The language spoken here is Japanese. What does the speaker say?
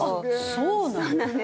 そうなんです。